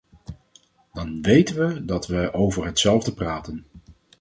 Dan weten we dat we over hetzelfde praten.